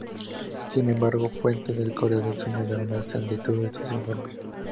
Sin embargo, fuentes de Corea del Sur negaron la exactitud de estos informes.